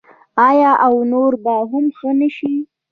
آیا او نور به هم ښه نشي؟